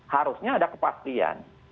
harusnya ada kepastian